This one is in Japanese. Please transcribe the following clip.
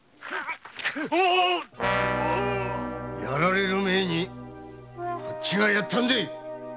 殺られる前にこっちがやったんだ！